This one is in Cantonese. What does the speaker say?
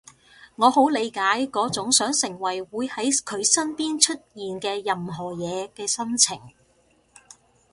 我好理解嗰種想成為會喺佢身邊出現嘅任何嘢嘅心情